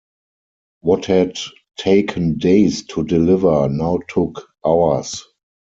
What had taken days to deliver now took hours.